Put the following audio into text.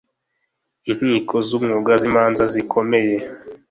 inkiko zumwuga zicimanza zikomeye.